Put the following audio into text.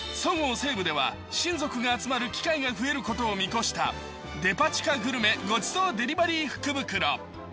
西武では親族が集まる機会が増えることを見越したデパ地下グルメごちそうデリバリー福袋。